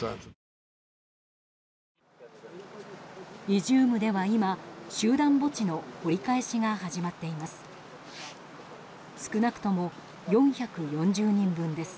イジュームでは今集団墓地の掘り返しが始まっています。